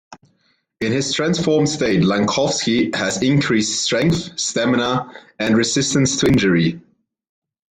In his transformed state, Langkowski has increased strength, stamina, and resistance to injury.